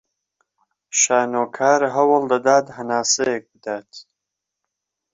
شانۆکار هەوڵ دەدات هەناسەیەک بدات